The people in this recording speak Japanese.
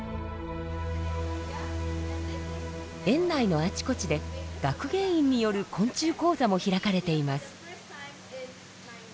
園内のあちこちで学芸員による昆虫講座も開かれています。